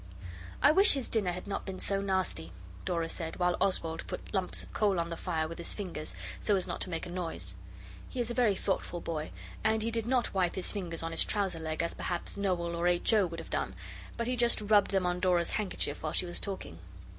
'I wish his dinner had not been so nasty,' Dora said, while Oswald put lumps of coal on the fire with his fingers, so as not to make a noise. He is a very thoughtful boy, and he did not wipe his fingers on his trouser leg as perhaps Noel or H. O. would have done, but he just rubbed them on Dora's handkerchief while she was talking.